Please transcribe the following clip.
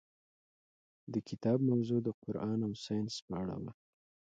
د کتاب موضوع د قرآن او ساینس په اړه وه.